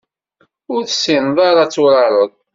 Ur tessineḍ ara ad turareḍ.